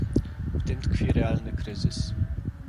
W tym tkwi realny kryzys